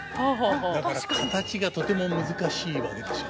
だから形がとても難しいわけですよね。